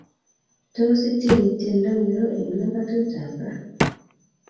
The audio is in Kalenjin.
Tos itieni tyendo ingire eng langatut ab ra